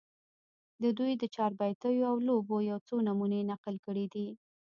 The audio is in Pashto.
د دوي د چاربېتواو لوبو يو څو نمونې نقل کړي دي